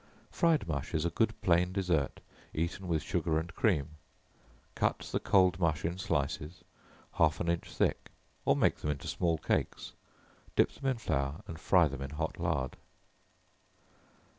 Fried mush is a good plain dessert, eaten with sugar and cream. Cut the cold mush in slices, half an inch thick, or make them into small cakes, dip them in flour, and fry them in hot lard.